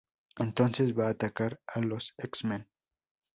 Entonces va a atacar a los X-Men.